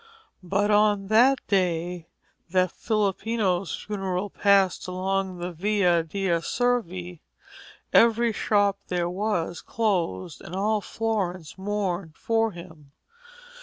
But on the day that Filippino's funeral passed along the Via dei Servi, every shop there was closed and all Florence mourned for him.